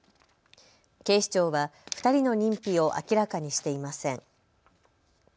警視庁は２人の認否を明らかにしていません。